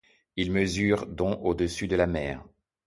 Il mesure dont au-dessus de la mer.